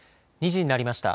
２時になりました。